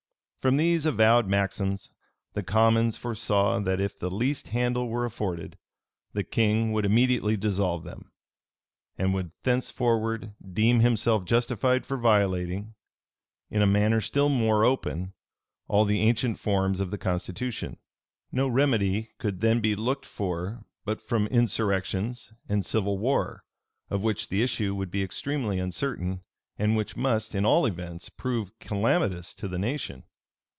234 From these avowed maxims, the commons foresaw that, if the least handle were afforded, the king would immediately dissolve them, and would thenceforward deem himself justified for violating, in a manner still more open, all the ancient forms of the constitution. No remedy could then be looked for but from insurrections and civil war, of which the issue would be extremely uncertain, and which must, in all events, prove calamitous to the nation.